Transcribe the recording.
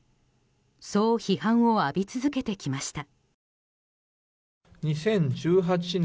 そう批判を浴び続けてきました。